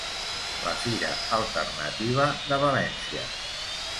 La Fira Alternativa de València.